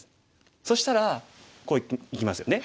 そしたらこういきますよね。